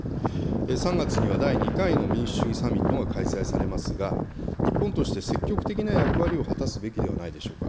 ３月には第２回の民主主義サミットが開催されますが、日本として積極的な役割を果たすべきではないでしょうか。